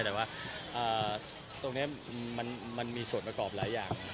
แต่ว่าตรงนี้มันมีส่วนประกอบหลายอย่าง